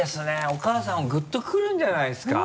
お母さんグッとくるんじゃないですか？